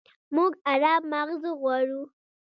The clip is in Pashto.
موږ ارام ماغزه غواړو.